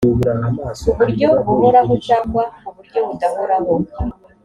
ku buryo buhoraho cyangwa ku buryo budahoraho